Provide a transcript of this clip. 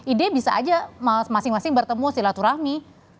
ide bisa aja masing masing bertemu silaturahmi